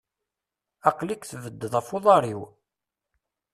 Aql-ik tebeddeḍ af uḍaṛ-iw!